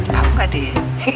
tau gak deh